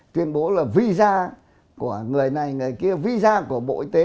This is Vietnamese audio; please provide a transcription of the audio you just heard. tuyên bố là visa của người này người kia visa của bộ y tế